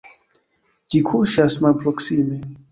Ĝi kuŝas malproksime.